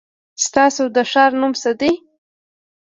ستاسو د ښار نو څه دی ؟